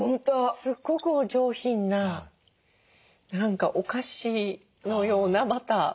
すっごくお上品な何かお菓子のようなバター。